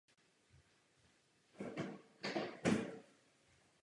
Je nutné ji pochválit za nalezení konsenzu v této věci.